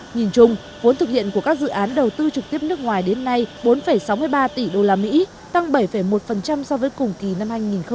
nhìn chung vốn thực hiện của các dự án đầu tư trực tiếp nước ngoài đến nay bốn sáu mươi ba tỷ usd tăng bảy một so với cùng kỳ năm hai nghìn một mươi chín